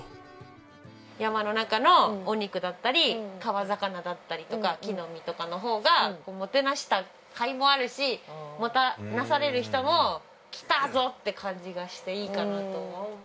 山の中のお肉だったり川魚だったりとか木の実とかの方がもてなしたかいもあるしもてなされる人も来たぞって感じがしていいかなとは。